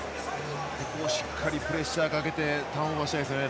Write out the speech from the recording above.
ここもしっかりプレッシャーかけてターンオーバーしたいですね。